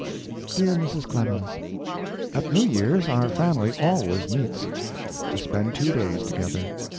DEAR MRS. CLEMENS, At New Year's our family always meets, to spend two days together.